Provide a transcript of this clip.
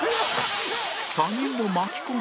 他人を巻き込み